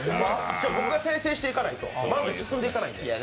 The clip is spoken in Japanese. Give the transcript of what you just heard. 僕が訂正していかないと前に進んでいかないんで。